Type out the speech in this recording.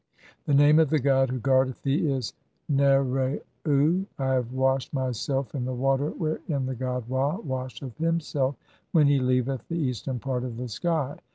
(3) The name of the god who guardeth thee is Nerau. "I have washed myself in the water wherein the god Ra washeth "himself when he leaveth the eastern part of the sky.